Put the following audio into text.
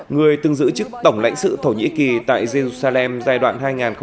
người từng giữ chức tổng lãnh sự thổ nhĩ kỳ tại jerusalem giai đoạn hai nghìn một mươi hai nghìn một mươi bốn